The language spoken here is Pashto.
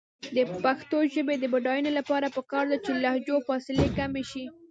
د پښتو ژبې د بډاینې لپاره پکار ده چې لهجو فاصلې کمې شي.